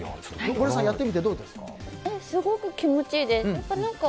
小倉さん、やってみてどうですか？